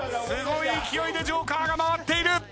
すごい勢いでＪＯＫＥＲが回っている。